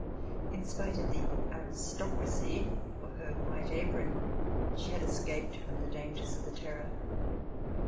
In spite of the aristocracy of her white apron, she had escaped from all the dangers of the Terror.